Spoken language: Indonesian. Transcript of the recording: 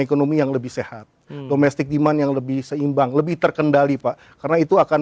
ekonomi yang lebih sehat domestic demand yang lebih seimbang lebih terkendali pak karena itu akan